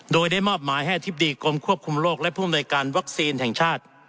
โดยได้มอบหมายให้อธิบดีกรมควบคุมโรคและผู้อำนวยการวัคซีนแห่งชาติ